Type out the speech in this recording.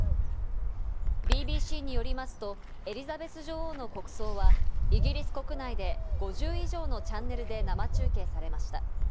ＢＢＣによりますと、エリザベス女王の国葬は、イギリス国内で５０以上のチャンネルで生中継されました。